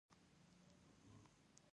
دا اصول باید د دولت په تشکیل کې رعایت شي.